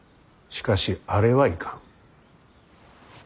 しかしあれはいかん。